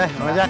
ahh mau ngajak